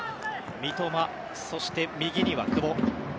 三笘、そして右には久保。